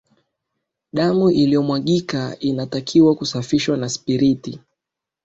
damu iliyomwagika inatakiwa kusafishwa kwa spiriti